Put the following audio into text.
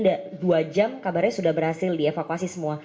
sudah dua jam kabarnya sudah berhasil dievakuasi semua